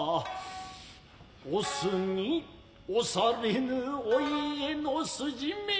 押すに押されぬ御家の筋目。